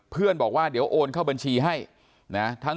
บอกว่าเดี๋ยวโอนเข้าบัญชีให้นะ